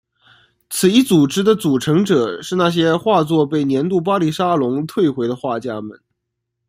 此一组织的组成者是那些画作被年度巴黎沙龙退回的画家们。